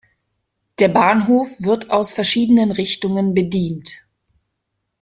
Der Bahnhof wird aus verschiedenen Richtungen bedient.